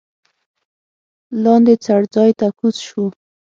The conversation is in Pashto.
لاندې څړځای ته کوز شوو.